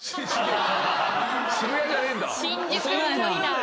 渋谷じゃねえんだ。